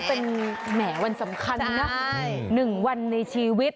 เป็นแหมวันสำคัญนะ๑วันในชีวิต